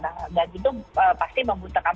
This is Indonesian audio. dan itu pasti membutuhkan